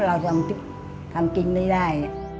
เราทำกินไม่ได้